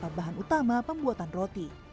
beberapa bahan utama pembuatan roti